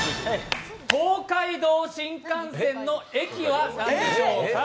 東海道新幹線の駅は何でしょうか。